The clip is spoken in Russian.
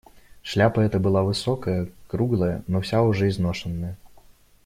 Шляпа эта была высокая, круглая, но вся уже изношенная.